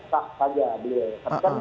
tapi kan bergerak itu dalam